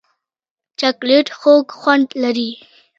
چاکلېټ خوږ خوند لري.